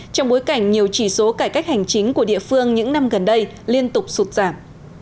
trong bối cảnh nhiều chỉ số cải cách hành chính của địa phương những năm gần đây liên tục sụt giảm